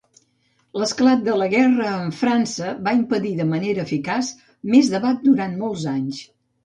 L'esclat de la guerra amb França va impedir de manera eficaç més debat durant molts anys.